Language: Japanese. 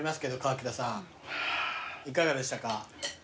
いかがでしたか？